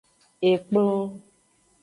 Ekplon.